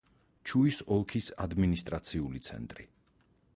ჩუის ოლქის ადმინისტრაციული ცენტრი.